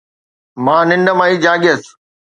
مان ننڊ مان ئي جاڳيس